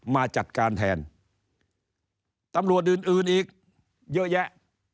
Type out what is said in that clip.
มาจัดการแทนตำรวจอื่นอื่นอีกเยอะแยะ